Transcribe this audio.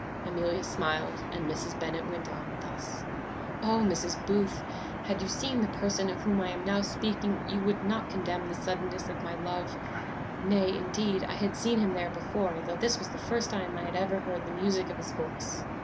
Amelia smiled, and Mrs. Bennet went on thus: "O, Mrs. Booth! had you seen the person of whom I am now speaking, you would not condemn the suddenness of my love. Nay, indeed, I had seen him there before, though this was the first time I had ever heard the music of his voice.